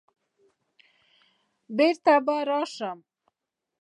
بېرته به راشم